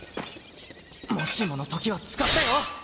もしものときは使ってよ！